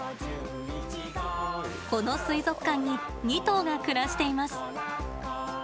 この水族館に２頭が暮らしています。